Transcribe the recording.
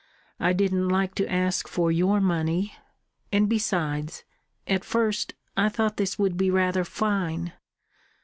"I didn't like to ask for your money. And besides at first I thought this would be rather fine."